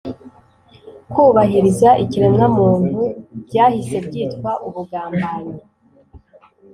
kubahiriza ikiremwamuntu byahise byitwa ubugambanyi.